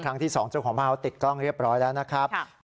ครั้งที่๒เจ้าของมหาวะติดกรรมเรียบร้อยแล้วนะครับ